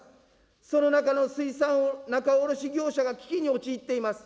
その中の水産仲卸業者が危機に陥っています。